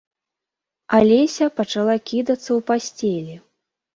Алеся пачала кідацца ў пасцелі.